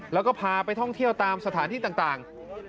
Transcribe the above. แล้วก็พาไปท่องเที่ยวตามสถานที่ต่าง